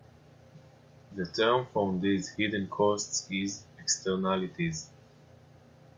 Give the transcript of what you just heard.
The term for these hidden costs is "Externalities".